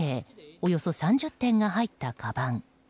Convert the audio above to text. およそ３０点が入ったかばん。